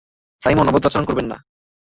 Simon, অভদ্র আচরণ করবেন না!